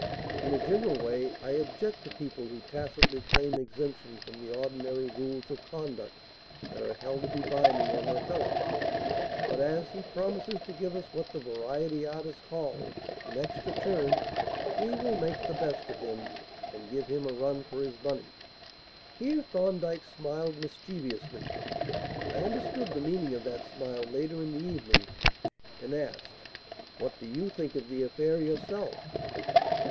In a general way, I object to people who tacitly claim exemption from the ordinary rules of conduct that are held to be binding on their fellows. But, as he promises to give us what the variety artists call 'an extra turn,' we will make the best of him and give him a run for his money." Here Thorndyke smiled mischievously I understood the meaning of that smile later in the evening and asked: "What do you think of the affair yourself?"